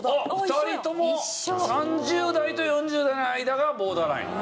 ２人とも３０代と４０代の間がボーダーライン。